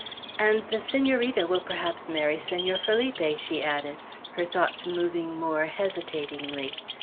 "And the Senorita will perhaps marry Senor Felipe," she added, her thoughts moving more hesitatingly.